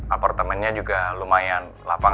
apartemennya juga lumayan lapang